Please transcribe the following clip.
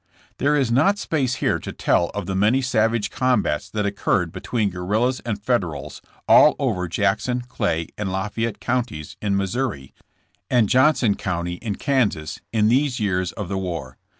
There is not space here to tell of the many savage' combats that occurred between guerrillas and Federals all over Jackson, Clay and Lafayette Counties in Missouri, and Johnson County in Kansas, in these years of the war.